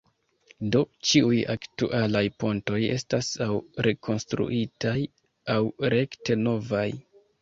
Do, ĉiuj aktualaj pontoj estas aŭ rekonstruitaj aŭ rekte novaj.